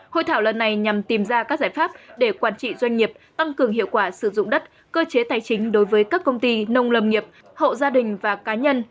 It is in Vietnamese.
hội thảo lần này nhằm tìm ra các giải pháp để quản trị doanh nghiệp tăng cường hiệu quả sử dụng đất cơ chế tài chính đối với các công ty nông lâm nghiệp hộ gia đình và cá nhân